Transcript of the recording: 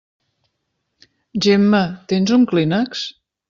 Gemma, tens un clínex?